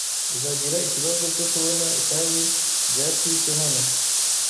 Uzagira ikibazo cyo kubona itabi rya pipe hano.